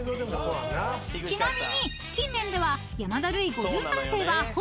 ［ちなみに近年では］